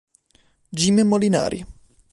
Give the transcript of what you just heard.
Jim Molinari